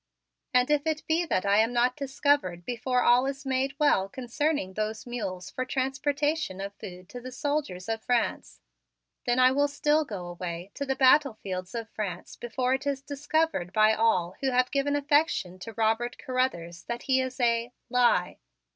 And if it be that I am not discovered before all is made well concerning those mules for transportation of food to the soldiers of France, then I will still go away to the battlefields of France before it is discovered by all who have given affection to Robert Carruthers, that he is a lie.